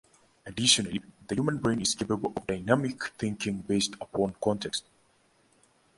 Additionally, the human brain is capable of dynamic thinking based upon context.